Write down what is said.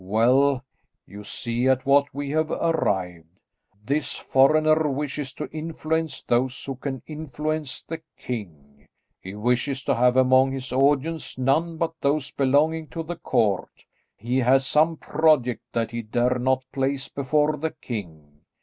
"Well, you see at what we have arrived. This foreigner wishes to influence those who can influence the king. He wishes to have among his audience none but those belonging to the court. He has some project that he dare not place before the king.